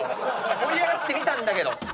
盛り上がってみたんだけど。